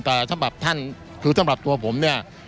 แต่สำหรับท่านคือสำหรับตัวผมเนี่ย